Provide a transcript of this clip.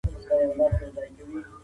هغه د فشار لاندې هم د انصاف لار وساتله.